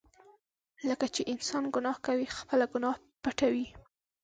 کله چې انسان ګناه کوي، خپله ګناه پټوي.